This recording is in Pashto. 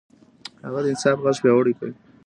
هغه د انصاف غږ پياوړی کړ.